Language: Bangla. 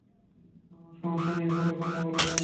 আমার সমস্যা নিয়ে পড়ে কথা বলা যাবে।